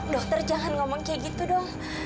dokter jangan ngomong kayak gitu dong